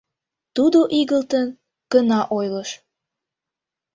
Тудо игылтын гына ойлыш.